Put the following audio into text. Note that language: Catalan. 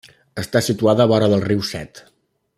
Està situada vora del riu Set.